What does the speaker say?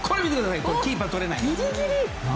キーパーが取れない。